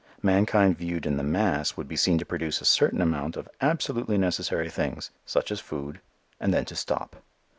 Mankind viewed in the mass would be seen to produce a certain amount of absolutely necessary things, such as food, and then to stop.